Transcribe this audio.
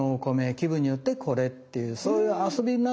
気分によってこれっていうそういう遊びながらの味わい。